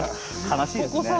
悲しいですね。